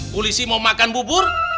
polisi mau makan bubur